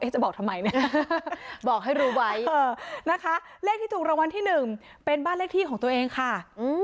จะบอกทำไมบอกให้รู้ไว้นะคะเลขที่ถูกรางวัลที่๑เป็นบ้านเลขที่ของตัวเองค่ะ